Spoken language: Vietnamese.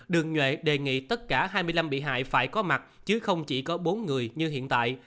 đường nhuệ đề nghị tất cả hai mươi năm bị hại phải có mặt chứ không chỉ có bốn người như hiện tại